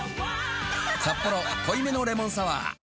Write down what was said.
「サッポロ濃いめのレモンサワー」